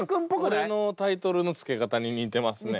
俺のタイトルの付け方に似てますね。